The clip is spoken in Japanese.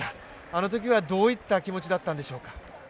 あのときはどういった気持ちだったんでしょうか。